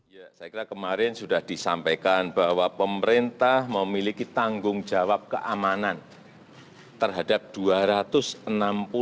ya saya kira kemarin sudah disampaikan bahwa pemerintah memiliki tanggung jawab keamanan terhadap dua ratus enam puluh orang